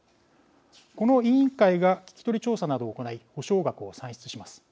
この委員会が聞き取り調査などを行い補償額を算出します。